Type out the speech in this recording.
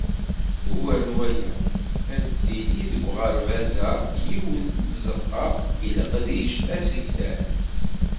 Ugar n waya, ad tili deg uɣerbaz-a yiwet n tzeqqa i leqdic asegtan.